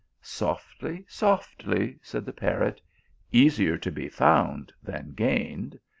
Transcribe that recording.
" "Softly softly," said the parrot, "easier to be iound than gained.